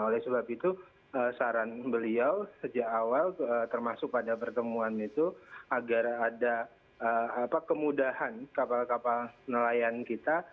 oleh sebab itu saran beliau sejak awal termasuk pada pertemuan itu agar ada kemudahan kapal kapal nelayan kita